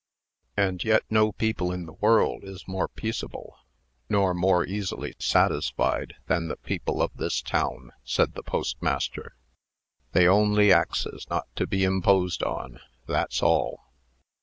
"And yet no people in the world is more peaceable, nor more easily satisfied, than the people of this town," said the postmaster. "They only axes not to be imposed on. That's all."